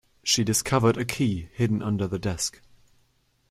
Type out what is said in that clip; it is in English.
She discovered a key hidden under her desk.